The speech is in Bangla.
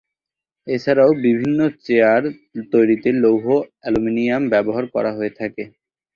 এছাড়াও বিভিন্ন চেয়ার তৈরিতে লৌহ, এলুমিনিয়াম ব্যবহার করা হয়ে থাকে।